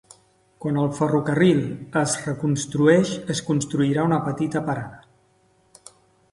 Quan el ferrocarril es reconstrueix, es construirà una petita parada.